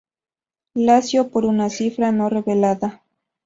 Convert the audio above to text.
Lazio por una cifra no revelada.